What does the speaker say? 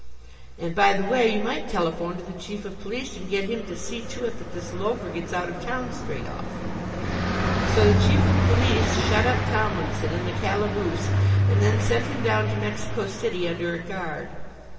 And, by the way, you might telephone to the Chief of Police and get him to see to it that this loafer gets out of town straight off." So the Chief of Police shut up Tomlinson in the calaboose and then sent him down to Mexico City under a guard.